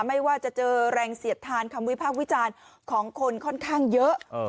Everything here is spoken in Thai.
ไม่ว่าจะเจอแรงเสียดทานคำวิพากษ์วิจารณ์ของคนค่อนข้างเยอะ